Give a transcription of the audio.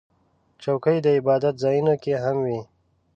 چوکۍ د عبادت ځایونو کې هم وي.